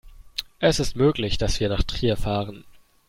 Es ist möglich, dass wir nach Trier fahren